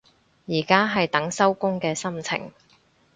而家係等收工嘅心情